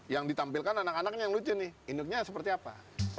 yang ditampilkan anak anaknya yang lucu nih induknya seperti apa